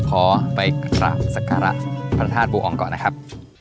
ขอไปกราบสการะพระธาตุบูอองก่อนนะครับ